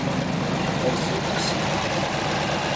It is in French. Elles sont ici.